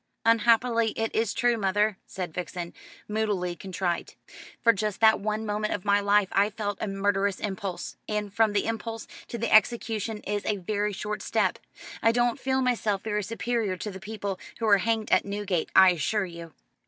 "Unhappily it is true, mother," said Vixen, moodily contrite. "For just that one moment of my life I felt a murderous impulse and from the impulse to the execution is a very short step. I don't feel myself very superior to the people who are hanged at Newgate, I assure you."